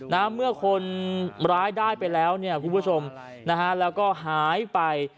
เมื่อคนร้ายได้ไปแล้วเนี่ยคุณผู้ชมนะฮะแล้วก็หายไป